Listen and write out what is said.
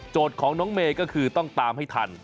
ของน้องเมย์ก็คือต้องตามให้ทัน